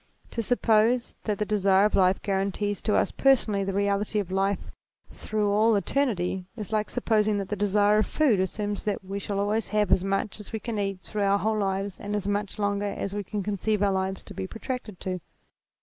To suppose that the desire of life guarantees to us personally the reality of life through all eternity, is like supposing that the desire of food assures us that we shall always have as much as we can eat through our whole lives and as much longer as we can conceive our lives to be protracted to.